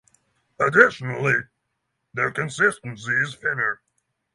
Additionally their consistency is thinner.